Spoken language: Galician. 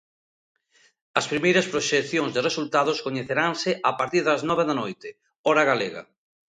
As primeiras proxeccións de resultados coñeceranse a partir das nove da noite, hora galega.